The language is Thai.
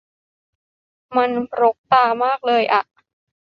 มันรกตามากเลยอ่ะ